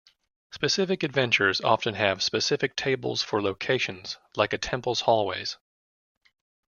Specific adventures often have specific tables for locations, like a temple's hallways.